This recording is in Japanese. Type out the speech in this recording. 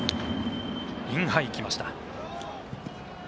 インハイ、行きました。